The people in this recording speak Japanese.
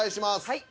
はい。